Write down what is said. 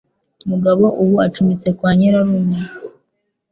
Mugabo ubu acumbitse kwa nyirarume.